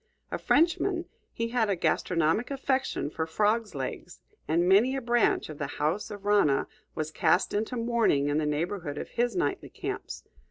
A Frenchman, he had a gastronomic affection for frogs' legs, and many a branch of the house of Rana was cast into mourning in the neighborhood of his nightly camps.